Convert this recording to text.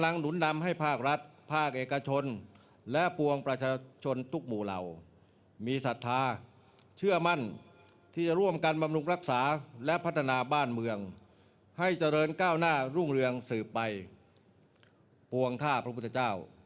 น้ำพระบาทอย่างความปลาปลื้มปีที่สุดของอาณาประชาราช